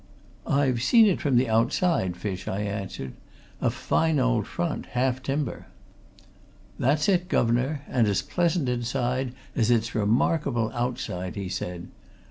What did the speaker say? "I've seen it from outside, Fish," I answered. "A fine old front half timber." "That's it, guv'nor and as pleasant inside as it's remarkable outside," he said.